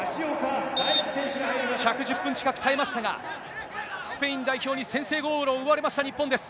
１１０分近く耐えましたが、スペイン代表に先制ゴール奪われました、日本です。